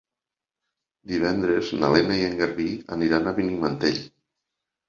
Divendres na Lena i en Garbí aniran a Benimantell.